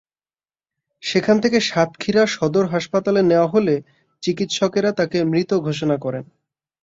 সেখান থেকে সাতক্ষীরা সদর হাসপাতালে নেওয়া হলে চিকিৎসকেরা তাঁকে মৃত ঘোষণা করেন।